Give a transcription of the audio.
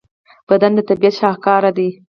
بدن د طبیعت شاهکار دی.